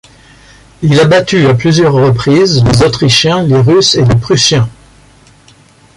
Il a battu à plusieurs reprises les Autrichiens, les Russes et les Prussiens.